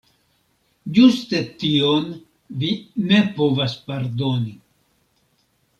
Ĝuste tion vi ne povas pardoni.